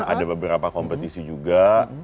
ada beberapa kompetisi juga